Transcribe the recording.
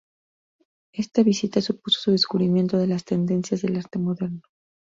Esta visita supuso su descubrimiento de las tendencias del arte moderno.